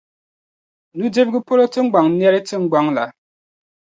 nudirigu polo tiŋgban'nɛli tiŋgbɔŋ la.